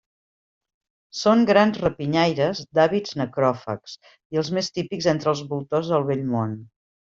Són grans rapinyaires d'hàbits necròfags, i els més típics entre els voltors del Vell Món.